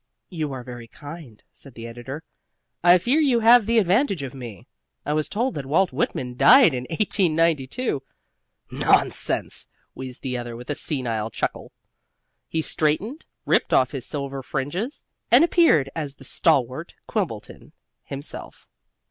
"You are very kind," said the editor. "I fear you have the advantage of me I was told that Walt Whitman died in 1892 " "Nonsense!" wheezed the other with a senile chuckle. He straightened, ripped off his silver fringes, and appeared as the stalwart Quimbleton himself.